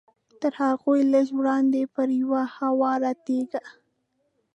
تر هغوی لږ وړاندې پر یوه هواره تیږه.